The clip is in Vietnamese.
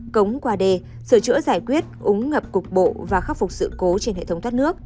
cống qua đê sửa chữa giải quyết ống ngập cục bộ và khắc phục sự cố trên hệ thống thoát nước